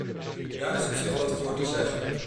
Daar is op zich wat voor te zeggen.